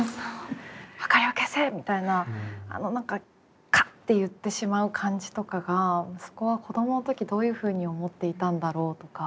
「明かりを消せ！」みたいなあの何かカッて言ってしまう感じとかがそこは子供の時どういうふうに思っていたんだろうとか。